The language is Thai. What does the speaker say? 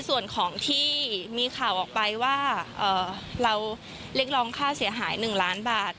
ส่วนของที่มีข่าวออกไปว่าเราเรียกรองค่าเสียหาย๑ล้านบาท